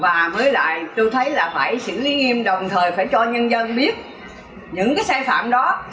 và mới lại tôi thấy là phải xử lý nghiêm đồng thời phải cho nhân dân biết những cái sai phạm đó